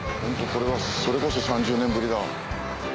それこそ３０年ぶりだ。